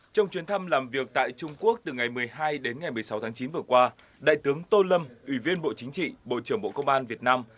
trong chuyến thăm làm việc tại trung quốc từ ngày một mươi hai đến ngày một mươi sáu tháng chín vừa qua đại tướng tô lâm ủy viên bộ chính trị bộ trưởng bộ công an việt nam